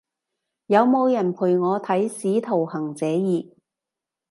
有冇人陪我睇使徒行者二？